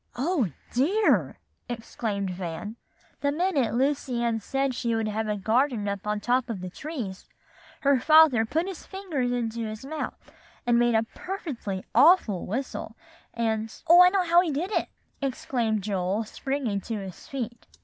'" "Oh, dear!" exclaimed Van. "The minute Lucy Ann said she would have a garden up on top of the trees, her father put his fingers in his mouth, and made a perfectly awful whistle, and" "Oh, I know how he did it!" exclaimed Joel, springing to his feet.